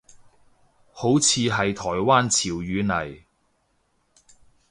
好似係台灣潮語嚟